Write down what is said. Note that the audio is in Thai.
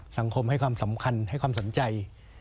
สังคมให้ความสำคัญให้ความสนใจ